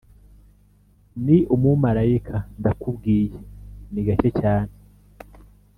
ni umumarayika ndakubwiye, ni gake cyane.